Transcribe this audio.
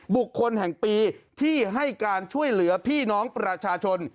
บุคคลแห่งปีที่ให้การช่วยเหลือพี่น้องประชาชน